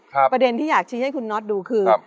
ประเด็นที่อยากชี้ให้คุณน็อตดูคือ